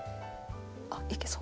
あっいけそう。